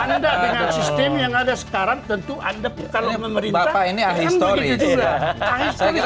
anda dengan sistem yang ada sekarang tentu anda kalau memerintah akan berpikir